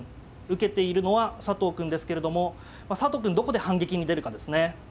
受けているのは佐藤くんですけれども佐藤くんどこで反撃に出るかですね。